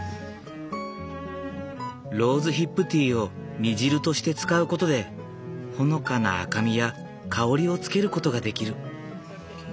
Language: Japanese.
ローズヒップティーを煮汁として使うことでほのかな赤みや香りをつけることができる。